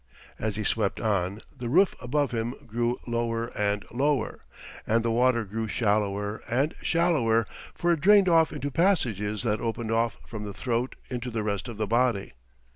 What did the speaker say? As he swept on, the roof above him grew lower and lower, and the water grew shallower and shallower; for it drained off into passages that opened off from the throat into the rest of the body.